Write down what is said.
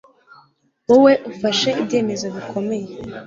Wowe ufashe ibyemezo bikomeye